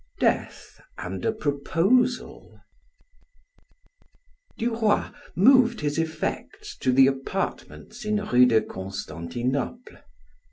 DEATH AND A PROPOSAL Duroy moved his effects to the apartments in Rue de Constantinople.